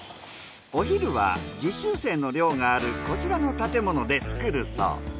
お昼は実習生の寮があるこちらの建物で作るそう。